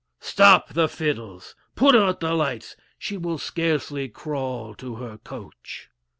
Stop the fiddles! put out the lights! she will scarcely crawl to her coach.